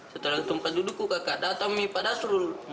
setelah ke tempat duduk kak datang pak dasrul